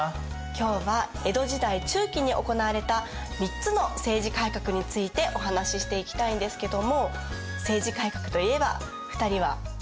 今日は江戸時代中期に行われた３つの政治改革についてお話ししていきたいんですけども政治改革といえば２人は何を思い出すかな？